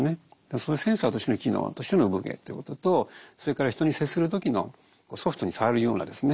そういうセンサーとしての機能としての生ぶ毛ということとそれから人に接する時のソフトに触るようなですね